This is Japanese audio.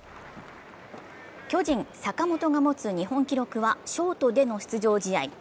巨人・坂本が持つ日本記録はショートでの出場試合１８７５。